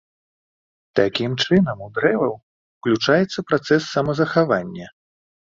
Такім чынам у дрэваў уключаецца працэс самазахавання.